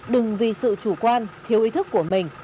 đừng vì sự chủ quan thiếu ý thức của mình